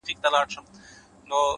دومره ساړه دي